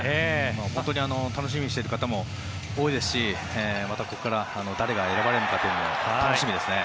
本当に楽しみにしている方も多いですしまたここから誰が選ばれるのかというのも楽しみですね。